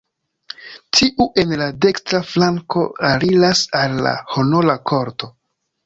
Tiu en la dekstra flanko aliras al la honora korto.